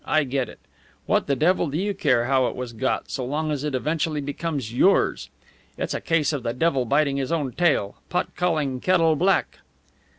I get it. What the devil do you care how it was got, so long as it eventually becomes yours? It's a case of the devil biting his own tail pot calling kettle black."